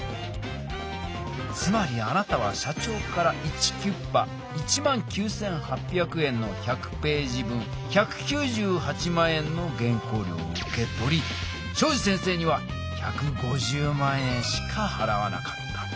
つまりあなたは社長からイチキュッパ１９８００円の１００ページ分１９８万円の原稿料を受け取り東海林先生には１５０万円しかはらわなかった。